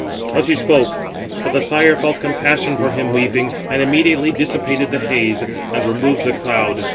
Thus he spoke; but the Sire felt compassion for him weeping, and immediately dissipated the haze, and removed the cloud.